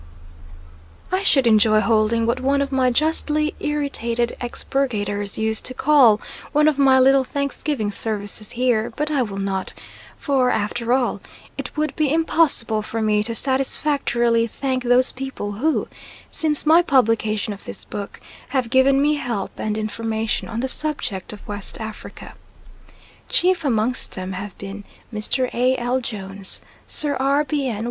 I should enjoy holding what one of my justly irritated expurgators used to call one of my little thanksgiving services here, but I will not; for, after all, it would be impossible for me to satisfactorily thank those people who, since my publication of this book, have given me help and information on the subject of West Africa. Chief amongst them have been Mr. A. L. Jones, Sir. R. B. N.